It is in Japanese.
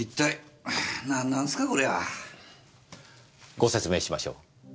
ご説明しましょう。